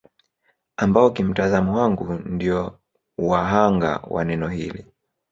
Ambao kimtazamo wangu ndio wa hanga wa neno hili